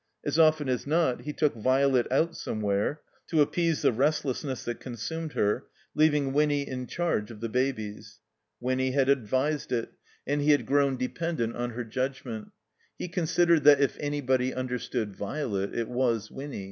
As often as not he took Violet out somewhere (to appease the restlessness that constimed her), leaving Winny in charge of the babies. Winny had advised it, and he had grown 239 THE COMBINED MAZE dependent on her judgment. He considered that if anybody understood Violet it was Winny.